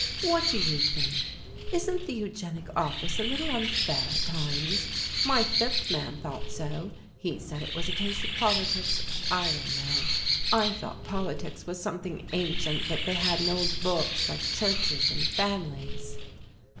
"What do you think? Isn't the Eugenic Office a little unfair at times? My fifth man thought so. He said it was a case of politics. I don't know. I thought politics was something ancient that they had in old books like churches and families."